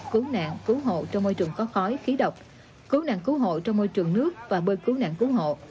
cứu nạn cố hộ trong môi trường có khói khí độc cứu nạn cố hộ trong môi trường nước và bơi cứu nạn cố hộ